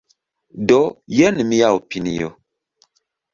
Do jen mia opinio.